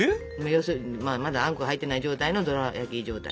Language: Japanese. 要するにまだあんこ入ってない状態のドラやき状態。